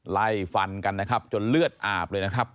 ไล่ฟันกันนะครับจนเลือดอาบเลยนะครับ